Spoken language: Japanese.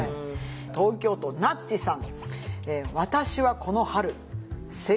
東京都なっちさん。